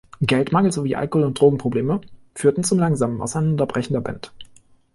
Geldmangel sowie Alkohol- und Drogenprobleme führten zum langsamen Auseinanderbrechen der Band.